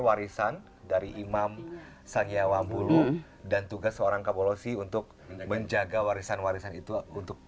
warisan dari imam sangiawabulu dan tugas seorang kabolosi untuk menjaga warisan warisan itu untuk